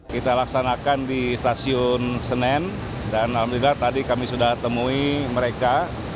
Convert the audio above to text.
kita laksanakan di stasiun senen dan alhamdulillah tadi kami sudah temui mereka